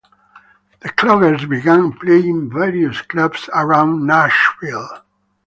The Cloggers began playing various clubs around Nashville.